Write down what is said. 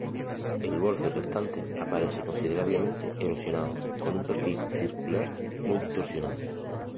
El borde restante aparece considerablemente erosionado, con un perfil circular muy distorsionado.